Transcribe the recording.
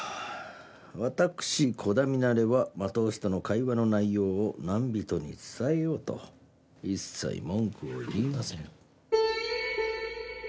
「私鼓田ミナレは麻藤氏との会話の内容を何人に伝えようと一切文句を言いません」